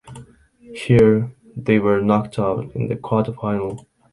Here they were knocked out in the quarter final.